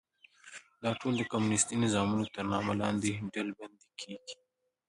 دا ټول د کمونیستي نظامونو تر نامه لاندې ډلبندي کېږي.